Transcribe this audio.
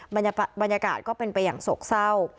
บรรยากาศก็เป็นไปอย่างโศกเศร้า